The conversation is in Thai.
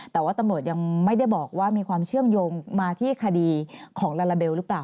แต่ว่าตำรวจยังไม่ได้บอกว่ามีความเชื่อมโยงมาที่คดีของลาลาเบลหรือเปล่า